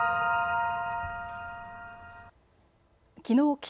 きのう